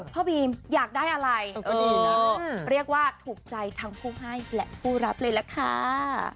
บีมอยากได้อะไรก็ดีนะเรียกว่าถูกใจทั้งผู้ให้และผู้รับเลยล่ะค่ะ